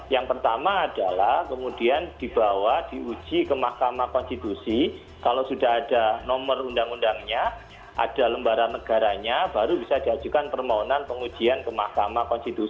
yang pertama adalah kemudian dibawa diuji ke mahkamah konstitusi kalau sudah ada nomor undang undangnya ada lembaran negaranya baru bisa diajukan permohonan pengujian ke mahkamah konstitusi